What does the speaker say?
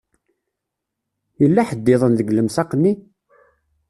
Yella ḥedd-iḍen deg lemsaq-nni?